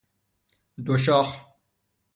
دو شاخ